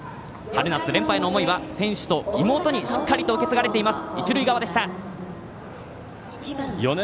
春夏連覇の思いは選手と妹にしっかりと受け継がれています。